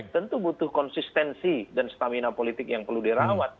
tentu butuh konsistensi dan stamina politik yang perlu dirawat